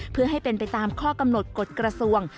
เพื่อให้เป็นไปตามข้อกำหนดกฎกระทรวง